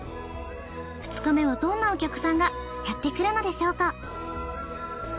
２日目はどんなお客さんがやってくるのでしょうか？